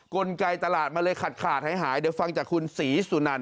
กลไกตลาดมันเลยขาดขาดหายเดี๋ยวฟังจากคุณศรีสุนัน